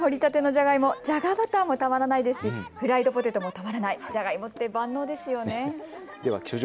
掘りたてのじゃがいも、、じゃがバターもたまらないしフライドポテトもたまらないじゃがいもって万能ですよね。